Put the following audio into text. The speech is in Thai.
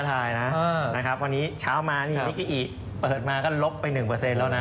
นะครับวันนี้เช้ามานี่ลิกิอิเปิดมาก็ลบไป๑แล้วนะ